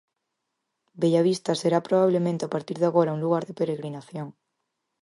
Bellavista será probablemente a partir de agora un lugar de peregrinación.